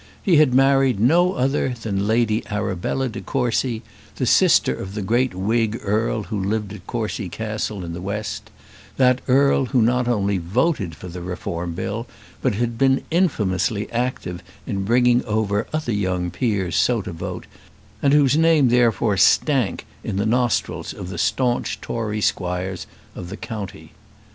He had married no other than Lady Arabella de Courcy, the sister of the great Whig earl who lived at Courcy Castle in the west; that earl who not only voted for the Reform Bill, but had been infamously active in bringing over other young peers so to vote, and whose name therefore stank in the nostrils of the staunch Tory squires of the county.